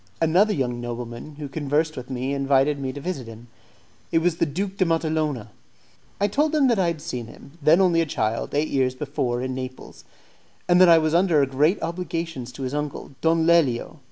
Another young nobleman, who conversed with me, invited me to visit him. It was the Duke de Matalona. I told him that I had seen him, then only a child, eight years before in Naples, and that I was under great obligations to his uncle, Don Lelio.